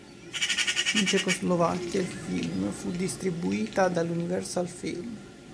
In Cecoslovacchia, il film fu distribuita dall'Universal Film.